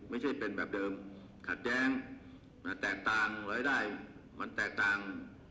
ไม่ใช่เป็นแบบเดิมขัดแย้งแตกต่างรายได้มันแตกต่าง